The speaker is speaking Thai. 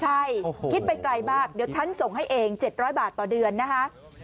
ใช่คิดไปไกลมากเดี๋ยวฉันส่งให้เอง๗๐๐บาทต่อเดือนนะคะ